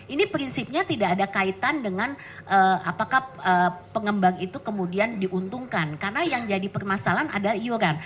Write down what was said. ini prinsipnya tidak ada kaitan dengan apakah pengembang itu kemudian diuntungkan karena yang jadi permasalahan adalah io car